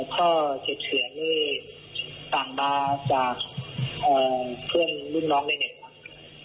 พ่อเจ็บเสียงสั่งมาจากเพื่อนรุ่นน้องได้ไหม